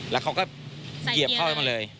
แล้วเขาก็เหยียบเข้าไปมาเลย